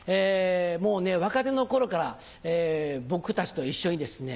もうね若手の頃から僕たちと一緒にですね